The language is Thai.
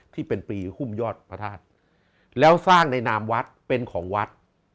ที่เป็นปีหุ้มยอดพระธาตุแล้วสร้างในนามวัดเป็นของวัด